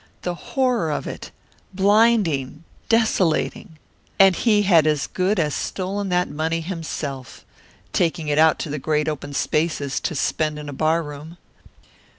The horror of it, blinding, desolating! And he had as good as stolen that money himself, taking it out to the great open spaces to spend in a bar room.